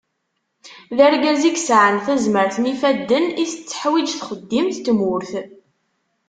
D argaz i yesεan tazmert n yifadden i tetteḥwiğ txeddimt n tmurt.